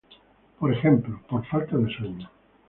Por ejemplo: por falta de sueño.